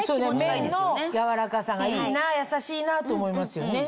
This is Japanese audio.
綿の柔らかさがいいな優しいなと思いますよね。